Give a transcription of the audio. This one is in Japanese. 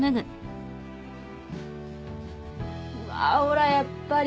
うわほらやっぱり。